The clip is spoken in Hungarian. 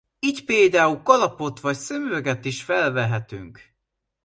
Így például kalapot vagy szemüveget is felvehetünk.